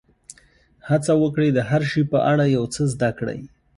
هڅه وکړئ د هر شي په اړه یو څه زده کړئ.